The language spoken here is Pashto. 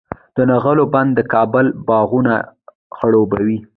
د نغلو بند د کابل باغونه خړوبوي.